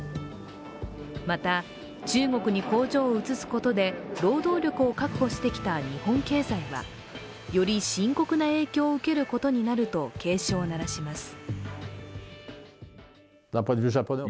また、中国に工場を移すことで労働力を確保してきた日本経済はより深刻な影響を受けることになると警鐘を鳴らします。